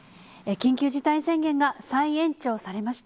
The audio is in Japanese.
緊急事態宣言が再延長されました。